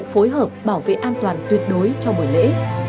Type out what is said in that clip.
phối hợp bảo vệ an toàn tuyệt đối cho buổi lễ